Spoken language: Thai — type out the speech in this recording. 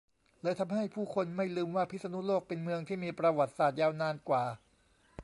เลยทำให้ผู้คนไม่ลืมว่าพิษณุโลกเป็นเมืองที่มีประวัติศาสตร์ยาวนานกว่า